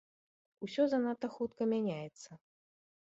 Усё занадта хутка мяняецца.